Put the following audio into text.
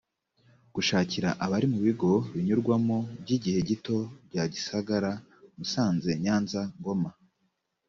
gushakira abari mu bigo binyurwamo by igihe gito bya gisagara musanze nyanza ngoma